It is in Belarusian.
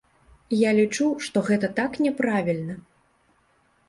Я лічу, што гэта так няправільна!